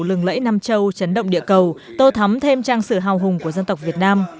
lẫy nam châu chấn động địa cầu tô thắm thêm trang sử hào hùng của dân tộc việt nam